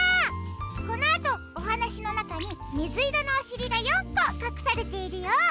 このあとおはなしのなかにみずいろのおしりが４こかくされているよ。